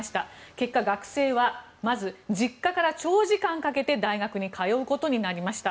結果、学生はまず実家から長時間かけて大学に通うことになりました。